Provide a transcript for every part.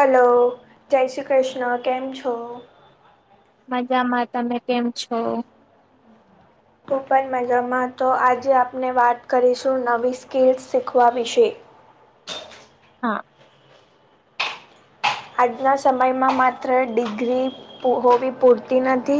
Hello જય શ્રી કૃષ્ણ કેમ છો? મજામાં તમે કેમ છો? ફૂ પન મજામાં તો આજે આપને વાત કરીશું નવી સ્કિલ્સ શીખવા વિશે. હા. આજના સમયમાં માત્ર ડિગ્રી ઓ હોવી પૂરતી નથી.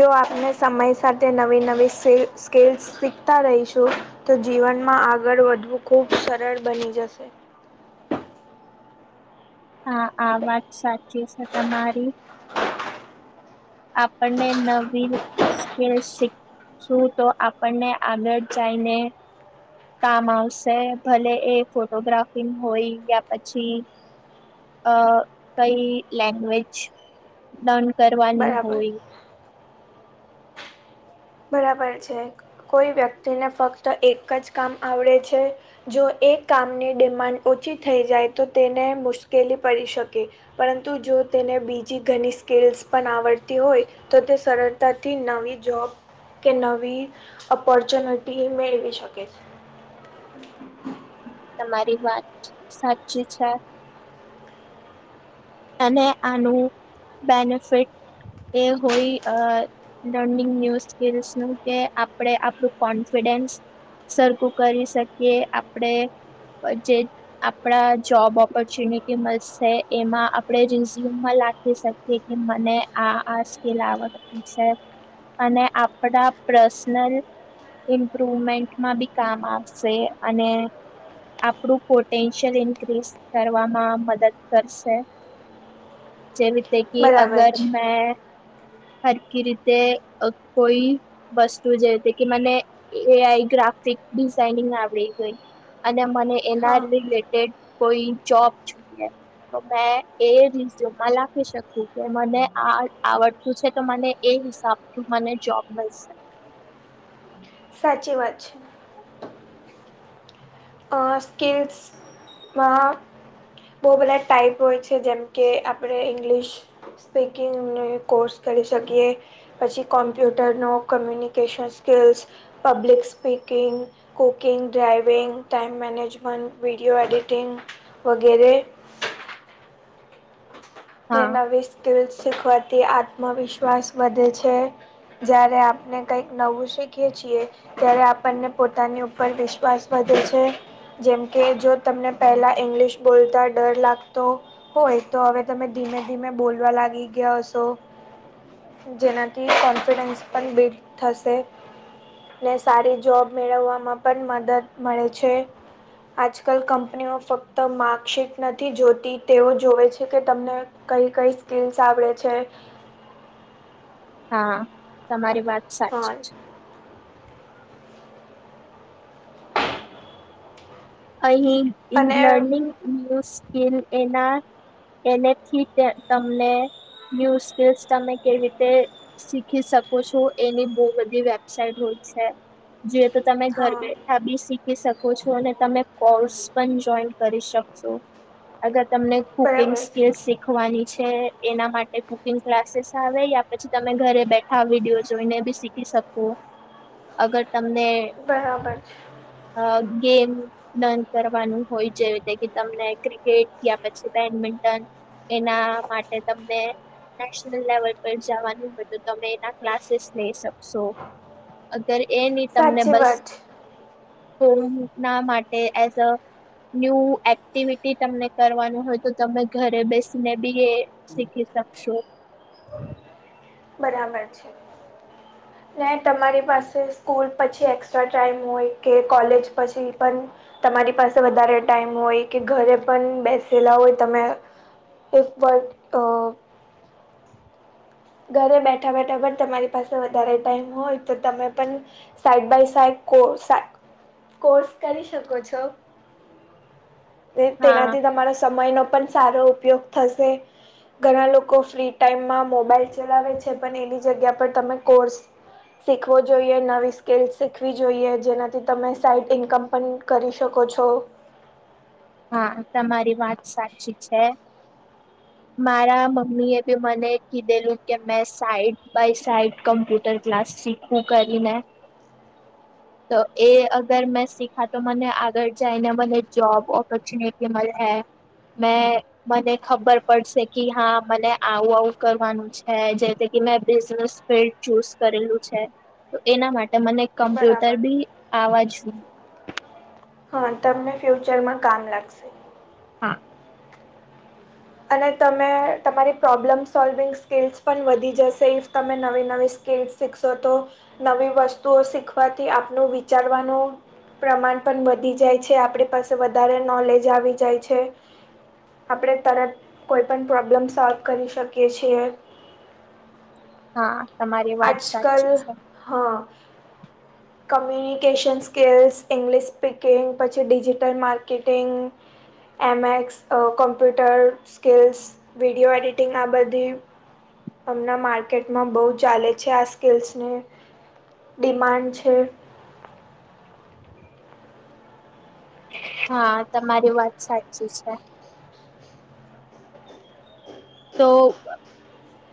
જો આપણને સમય સાતે નવી નવી સેલ સ્કેલ્સ શીખતા રહીશું. તો જીવનમાં આગળ વધવું ખુબ સરળ બની જશે. હા આ વાત સાચી છે તમારી આપણને નવી વી સ્કિલ્સ શીખ. શું તો આપણને આગળ જાઈને? કામ આવશે ભલે એ ફોટોગ્રાફીનું હોય કે આ પછી અ-અ-અ કયી લેંગ્વેજ લર્ન કરવાની બરાબર હોય. બરાબર છે કોઈ વ્યક્તિને ફક્ત એક જ કામ આવળે છે. જો એ કામને ડિમાન્ડ ઓછી થઈ જાય તો તેને મુશ્કેલી પડી શકે. પરંતુ જો તેને બીજી ઘની સ્કિલ્સ પન આવડતી હોય તો તે સરળતાથી નવી જોબ કે નવી ઓપોર્ચ્યુનર્તીઓ મેળવી શકે છે. તમારી વાત સાચીચ છે. આને આનું બેનિફિટ એ હોઈ અઅ લર્નિંગ યસ સ્કિલ્સનું એ આપળે આપ્પુ કોન્ફિડેન્સ સરકુ કરી શકીએ આપડે પન જે આપળા જોબ ઓપોર્ચ્યુનિટી મળશે એમાં આ પણે જ રિઝ્યુમમાં લાખી શકીએ કે મને આ આ સ્કિલ આવડ છે. અને આપડા પ્રસ્નલ ઇમ્પ્રુવમેન્ટમાં બી કામ આવશે, અને આપડુ પોટેન્શિયલ ઇન્ક્રીઝ કરવામાં મદદ કરશે. જેવી રીતે કી બરાબર અગર છે મે હરકી રીતે અ કોઈ વસ્તુ જે તે કે મેંને એ આઈ ગ્રાફિક ડિઝાઇનિંગના આવડી ગઈ. અને મને હા એના રિ-રિ-રિલેટેડ કોઈ જોબ જુએ તો મે એ રિઝ્યુમમાં લાખી શકું કે મને આ-આલ આવડતું છે તો મને એ હિસાબથી મને જોબ મલશે. સાચી વાત છે. અ સ્કિલ્સ માં બો બધાય ટાઈપ હોય છે જેમ કે, આપણે ઇંગ્લિશ સ્પીકિંગ ને કોર્સ કરી શકીએ. પછી કોમ્પ્યુટરનો communication skills public speaking, cooking, driving time management, video editing વગેરે ને હા નવી સ્કીલ શીખવાથી આત્મવિશ્વાસ વધે છે. જ્યારે આપણે કંઈક નવું શીખીએ છીએ. ત્યારે આપણને પોતાની ઉપર વિશ્વાસ વધે છે. જેમકે જો તમને પહેલા ઇંગ્લિશ બોલતા ડર લાગતો હોય તો હવે તમે ધીમે ધીમે બોલવા લાગી ગયા હશો જેનાથી કોન્ફિડન્સ પણ બિલ્ડ થશે. ને સારી જોબ મેળવવામાં પણ મદદ મળે છે. આજકાલ કંપનીઓ ફક્ત માર્કશીટ નથી જોતી તેઓ જોવે છે. કે તમને કઈ કઈ સ્કીલ્સ આવડે છે. હા તમારી વાત હા સાચી છે. અહી ઈ અને લર્નિંગ ન્યુ સ્કીલ એના એનેથી તમને ન્યૂ સ્કીસ તમે કેવી રીતે શીખી શકો છો એની બહુ બધી વેબસાઇટ હોય છે. જે તો તમે હા ઘર બેઠા બી શીખી શકો છો અને તમે કોર્સ પણ જોઈન કરી શકશું અગર તમને કુકિંગ બરાબર સ્કીલ છે શિખ વાની છે એના માટે કુકિંગ ક્લાસીસ આવે યા પછી તમે ઘરે બેઠ ા વિડીયો જોઈને બી શીખી શકું અગર તમને બરાબર છે. અ ગેમ લર્ન કરવાનું હોય જે રીતે કે તમને ક્રિકેટ તયા પછી બેડમિન્ટન એના માટે તમને નેશનલ લેવલ પર જવાનું હોય તો તમે એના ક્લાસીસ લઈ શક સોં અગર એ ની તમને સાચી બસ વાત છે ફોમ ના મા ટે એઝ ન્યૂ એક્ટિવિટી તમને કરવાનું હોય તો તમે ઘરે બેસીને બી શીખી શકશો બરાબર છે ને તમારી પાસે સ્કૂલ પછી એક્સ્ટ્રા ટાઈમ હોય કે કોલેજ પછી પણ તમારી પાસે વધારે ટાઈમ હોય કે ઘરે પણ બેસેલા હોય તમે ઇફ બટ અ ઘરે બેઠા બેઠા પણ તમારી પાસે વધારે ટાઈમ હોય તો તમે પણ side by side course course કરી શકો છો હા તેનાથી તમારો સમયનો પણ સારો ઉપયોગ થશે ઘણા લોકો ફ્રી ટાઈમમાં મોબાઈલ ચલાવે છે પણ એની જગ્યા પર તમે કોર્સ શીખવો જોઈએ નવી સ્કિલ શીખવી જોઈએ જેનાથી તમે સાઈડ ઇન્કમ પણ કરી શકો છો હા તમારી વાત સાચી છે [inaudible] મારા મમ્મી એ બી મને કીધેલું કે મેં side by side computer class શી ખુ કરીને [inaudible] તો એ અગર મેં શીખા તો મને આગળ જઈને મને જોબ ઓ તોક્ષનેતિ અમલ હૈ મેં મને ખબર પડશે કે હા મને આવું આવું કરવાનું છે જે મેં બિઝનેસ ફિલ્ડ ચૂઝ કરેલું છે તો એના માટે મને કમ્પ્યુટર બરાબર બી આવા છું હા તમને ફ્યુચર માં કામ લાગશે હા અને તમે તમારી પ્રોબ્લમ સોલ્વિંગ સ્કીલ્સ પણ વધી જશે ઇફ તમે નવી નવી સ્કીલ્સ શીખશો તો નવી વસ્તુઓ શીખવાથી આપનું વિચારવાનું પ્રમાણ પણ વધી જાય છે આપણી પાસે વધારે નોલેજ આવી જાય છે આપણે તરત કોઈ પણ પ્રોબ્લેમ સોલ્વ કરી શકીએ છીએ હા તમારી વાત આજ કાલ સાચી છે હા કમ્યુનિકેશન સ્કિલ્સ ઇંગ્લિશ સ્પીકિંગ પછી digital marketing MX computer skills video editing આ બધી હમણાં માર્કેટમાં બહુ ચાલે છે આ સ્કિલ્સને ડિમાન્ડ છે હા તમારી વાત સાચી છે તો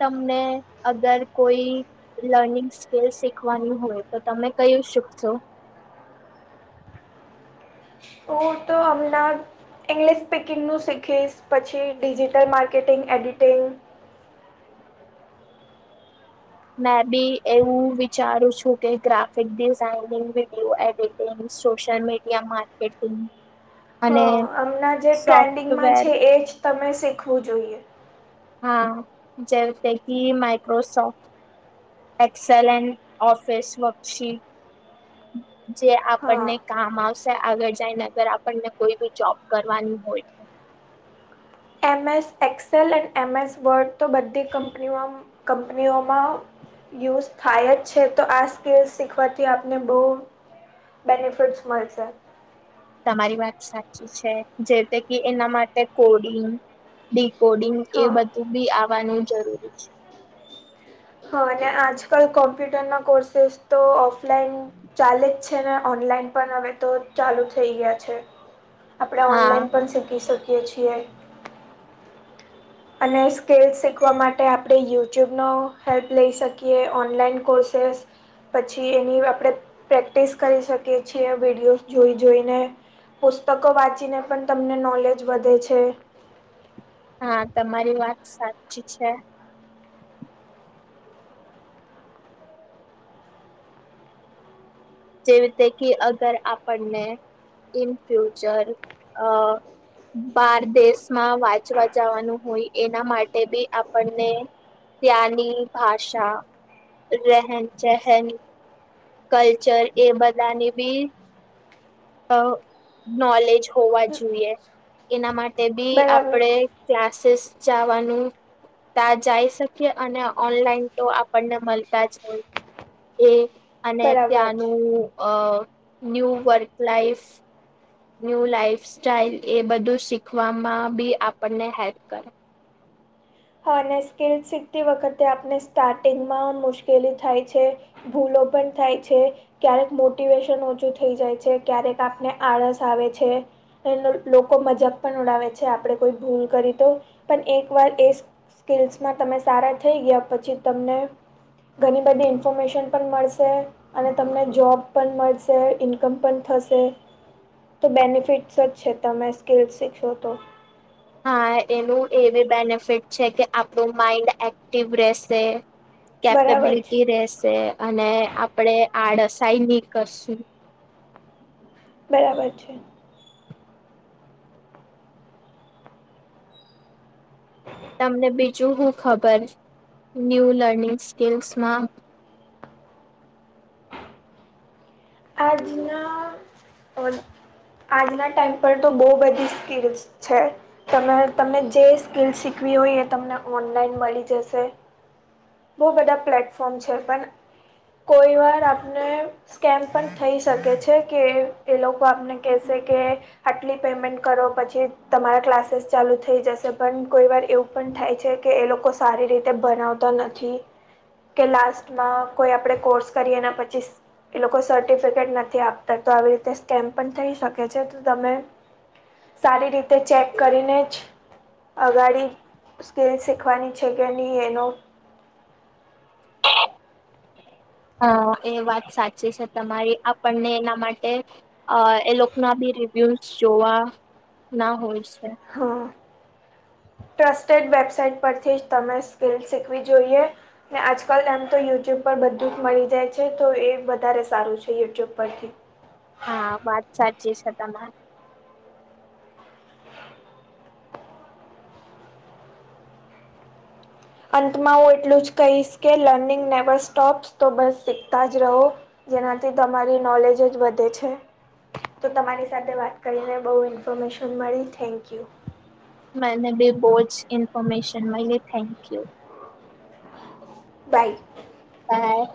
તમને અગર કોઈ લર્નિંગ સ્કીલ શીખવાની હોય તો તમે કયું શીખશો હું તો અમના ઇંગ્લિશ સ્પીકિંગનું શીખીશ પછી ડિજિટલ માર્કેટિંગ એડિટિંગ મેં બી એવું વિચારું છું કે graphic designing video edit social media marketing હ અને હમણાં જે ટ્રેન્ડિંગમાં સોફ્ટવેર છે એ જ તમે શીખવું જોઈએ હા જેવ તેં કી માઇક્રોસોફ્ટ એક્સેલેન ઓફિસ વર્કશીટ જે હા આપણને કામ આવશે આગળ જઈને અગર આપણને કોઈ બી જોબ કરવાની હોય એમ એસ એક્સેલ અનેડ એમ એસ વર્ડ તો બધી કંપનીઓ કંપનીઓમાં યુઝ થાય જ છે તો આ સ્કીલ શીખવાથી આપને બઉ બેનિફિટસ મળશે. તમારી વાત સાચી છે જેમતે કે એના માટે કોડિંગ ડીકોડિંગ એ હા બધું બી આવવાનું જરૂરી છે. હા અને આજકાલ કોમ્પ્યુટર ના કોર્સેસ તો ઓફલાઈન ચાલે જ છે ને ઓનલાઈન પણ હવે તો ચાલુ થઈ ગયા છે આપણે હા ઓનલાઈન પણ શીખી શકીએ છીએ અને સ્કીલસ શીખવા માટે આપણે યુટ્યુબનો હેલ્પ લઈ શકીએ ઓનલાઈન કોર્સેસ પછી એની આપણે પ્રેક્ટિસ કરી શકીએ છીએ વિડીયો જોઈ જોઈને પુસ્તકો વાંચીને પણ તમને નોલેજ વધે છે. હા તમારી વાત સાચી છે. જેવી રીતે કે અગર આપણને ઇન ફ્યુચર અ બાર દેશમાં વાંચવા જવાનું હોય એના માટે બી આપણને ત્યાં ની ભાષા રહેન સહન કલ્ચર એ બધા ની બી અ નોલેજ હોવા જોઈએ એના માટે બી બરાબર આપણે ક્લાસીસ જવાનું ત જઈ શકીએ અને ઓનલાઈન તો આપણને મળતા જ હોય. એ અને બરાબર છે ત્યાંનું અ new work life new life style એ બધું શીખવામાં બી આપણને હેલ્પ કરે હા અને સ્કીલ શીખતી વખતે આપને સ્ટાર્ટિંગમાં મુશ્કેલી થાય છે. ભૂલો પણ થાય છે. ક્યારેક મોટિવેશન ઓછું થઈ જાય છે ક્યારેક આપને આળસ આવે છે. એ લોકો મજાક પણ ઉડાવે છે આપડણે કોઈ ભૂલ કરી તો પણ એક વાર એ સ્કિલ્સમાં તમે સારા થઈ ગયા પછી તમને ઘણી બધી ઇન્ફોર્મેશન પણ મળશે. અને તમને જોબ પણ મળશે ઇન્કમ પણ થશે. તો બેનિફિટ્સ જ છે તમે સ્કીલસ શીખો તો હા એનું એવી બેનિફિટ છે કે આપણું માઈન્ડ એક્ટિવ રહેશે. બરાબર છે કેપેબિલિટી રહેશે અને આપણેે આડસાઈ નહી કરશું. બરાબર છે. [inaudible] તમને બીજું શું ખબર? ન્યૂ લર્નિંગ સ્કીલ્સમાં આ જના આજના ટાઈમ પર તો બહુ બધી સ્કીલસ છે. ત તમે જે સ્કીલ શીખવી હોય એ તમને ઓનલાઈન મળી જશે. બહુ બધા પ્લેટફોર્મ છે પણ કોઈ વાર આપને સ્કેમ પણ થઈ શકે છે કે એ લોકો આપને કહેશે કે આટલી પેમેન્ટ કરો પછી તમારા ક્લાસીસ ચાલુ થઈ જશે પણ કોઈ વાર એવું પણ થાય છે કે એ લોકો સારી રીતે ભનાવતા નથી. કે લાસ્ટમાં કોઈ આપડે કોર્સ કરીએને પછી એ લોકો સ સટીફિકેટ નથી આપતા તો આવી રીતે સ્ટેમ્પ પણ થઈ શકે છે તો તમે સારી રીતે ચેક કરીને જ અગાડી સ્કીલ શીખવાની છે કે નહીં એનો હ એ વાત સાચી છે તમારી આપણને એના માટે અ એ લોકો ના બી રિવ્યુઝ જોવા ના હોય છે. હા. ટ્રસ્ટેડ વેબસાઇટ પરથી તમે સ્કીલ શીખવી જોઈએ. ને આજકાલ એમ તો યુટ્યુબ પર બધું જ મળી જાય છે તો એ વધારે સારું છે યુટ્યુબ પરથી. હા વાત સાચી છે તમારે. અંતમાં હું એટલું જ કહીશ કે લર્નિંગ નેવર સ્ટોપસ તો બસ શીખતા જ રહો. જેનાથી તમારી નોલેજ જ વધે છે. તો તમારી સાથે વાત કરીને બહુ ઇન્ફોર્મેશન મળી થેન્ક યુ. મને બી બહુ જ ન્ફોર્મેશન મયલી થેન્ક યુ. બાય. બાય.